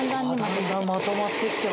だんだんまとまってきてます。